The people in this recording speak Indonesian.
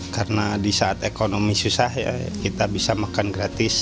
karena di saat ekonomi susah kita bisa makan gratis